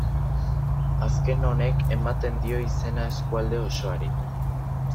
Azken honek ematen dio izena eskualde osoari.